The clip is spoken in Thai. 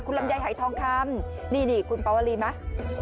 คุณลำไยหายทองคำนี่คุณเปาวะลีมา